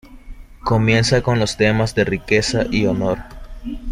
Comienza con los tema de riqueza y honor.